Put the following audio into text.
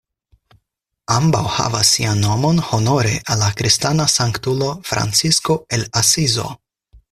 Ambaŭ havas sian nomon honore al la kristana sanktulo Francisko el Asizo.